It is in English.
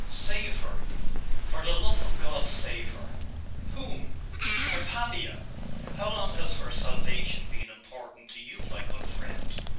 'Save her! for the love of God, save her!' 'Whom?' 'Hypatia!' 'How long has her salvation been important to you, my good friend?